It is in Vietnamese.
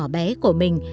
và bé của mình